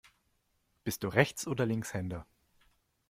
Bist du Rechts- oder Linkshänder?